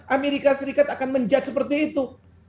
amerika serikat akan menjudge seperti itu